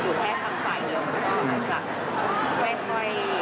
เชื่อว่าอยู่ทั้งเต็มที่ที่สุด